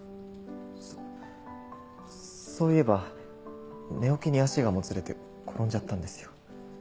そういえば寝起きに足がもつれて転んじゃったんですよ。